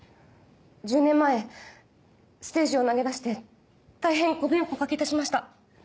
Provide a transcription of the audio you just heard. １０年前ステージを投げ出して大変ご迷惑おかけいたしました。